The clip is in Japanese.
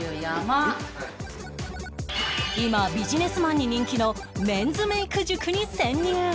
今ビジネスマンに人気のメンズメイク塾に潜入